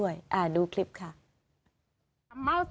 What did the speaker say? อ่อตายตาย